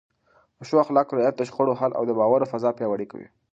د ښو اخلاقو رعایت د شخړو حل او د باور فضا پیاوړې کوي.